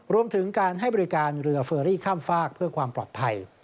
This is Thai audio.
รวมถึงการให้บริการเรือเฟอรี่ข้ามฝากเพื่อความปลอดภัย